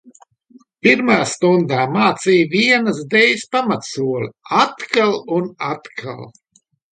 Pirmā stundā mācīja vienas dejas pamatsoli, atkal un atkal.